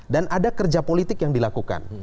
dan ada kerja politik yang dilakukan